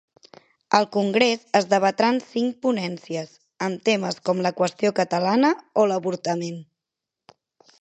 Al congrés es debatran cinc ponències, amb temes com la qüestió catalana o l'avortament.